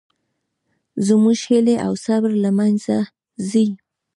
زموږ هیلې او صبر له منځه ځي